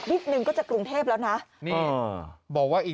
อำเภอไซน้อยจังหวัดนนทบุรี